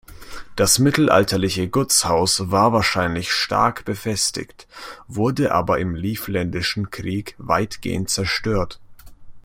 Das mittelalterliche Gutshaus war wahrscheinlich stark befestigt, wurde aber im Livländischen Krieg weitgehend zerstört.